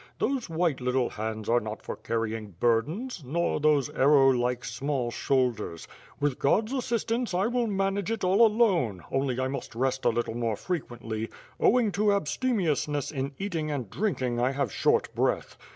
Those white little hands are not for carrying burdens, nor those arrowlike small shoul ders; with God's assistance I will manage it all alone, only I must rest a little more frequently, owing to abstemiousness in eating and drinking, I have short breath.